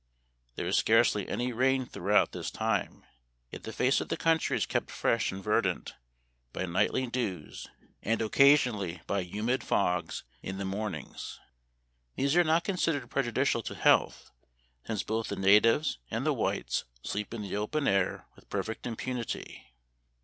There is scarcely any rain throughout this time, yet the face of the country is kept fresh and verdant by nightly dews, and occasionally by humid fogs in the mornings. These are not considered prejudi cial to health, since both the natives and the whites sleep in the open air with perfect im punity.